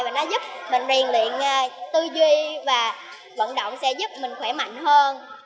và nó giúp mình rèn luyện tư duy và vận động sẽ giúp mình khỏe mạnh hơn